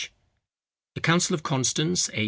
] The council of Constance, A.